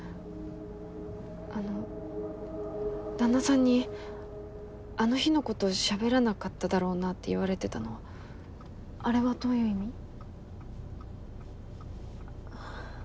あの旦那さんに「あの日の事しゃべらなかっただろうな」って言われてたのあれはどういう意味？